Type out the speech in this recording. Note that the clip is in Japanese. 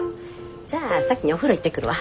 じゃあ先にお風呂行ってくるわ。